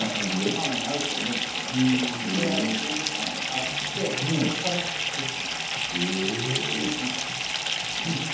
ハーモニーが合うと思うしいうことでやってみたのがそれからですね。